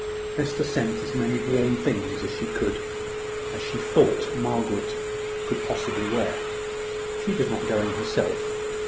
Hester sent as many warm things as she thought Margaret could possibly wear. She was not going herself.